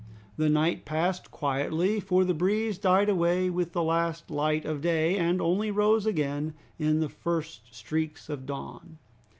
The night passed quietly, for the breeze died away with the last light of day, and only rose again with the first streaks of dawn.